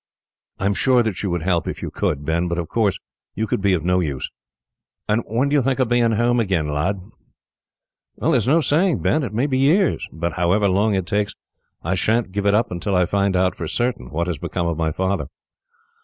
"I am sure that you would help, if you could, Ben; but, of course, you could be of no use." "And when do you think of being home again, lad?" "There is no saying, Ben it may be years. But, however long it takes, I sha'n't give it up until I find out, for certain, what has become of my father."